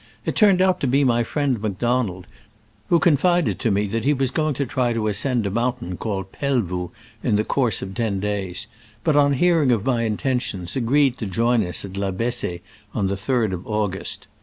It turned out to be my friend Macdon ald, who confided to me that he was going to try to ascend a mountain call ed Pelvoux in the course of ten days, but on hearing of my intentions agreed to join us at La Bess6e on the 3d of August.